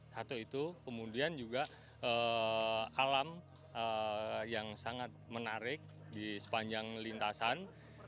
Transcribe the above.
satu itu kemudian juga alam yang sangat menarik di sepanjang lintasan